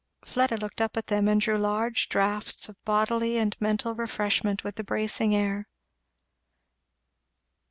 Fleda looked up at them and drew large draughts of bodily and mental refreshment with the bracing air.